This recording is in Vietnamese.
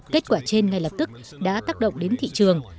kết quả trên ngay lập tức đã tác động đến thị trường